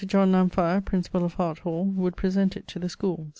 John Lamphire, principall of Hart Hall, would present it to the Schooles.